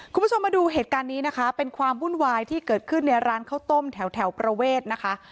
คุณผู้ชมมาดูเหตุการณ์นี้นะคะเป็นความวุ่นวายที่เกิดขึ้นในร้านข้าวต้มแถวประเวทนะคะ